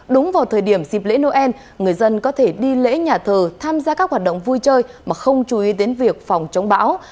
đúng vào thời điểm dịp lễ noel người dân có thể đi lễ nhà thờ tham gia các hoạt động vui chơi mà không chú ý đến việc phòng chống bão